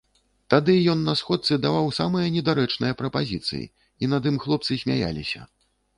Тады ён на сходцы даваў самыя недарэчныя прапазіцыі і над ім хлопцы смяяліся.